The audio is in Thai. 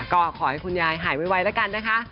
ก็ขอให้คุณยายหายไวแล้วกันนะคะ